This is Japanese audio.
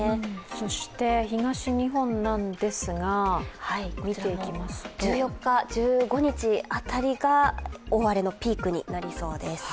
そして東日本なんですが、見ていきますと１４日、１５日辺りが大荒れのピークになりそうです。